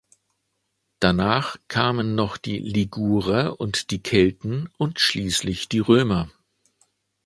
Danach kamen noch die Ligurer und die Kelten und schließlich die Römer.